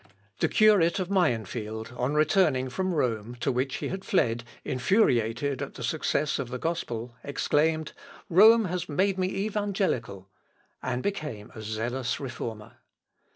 The curate of Mayenfield, on returning from Rome, to which he had fled infuriated at the success of the gospel, exclaimed, "Rome has made me evangelical," and became a zealous reformer.